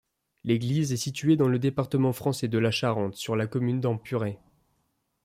L'église est située dans le département français de la Charente, sur la commune d'Empuré.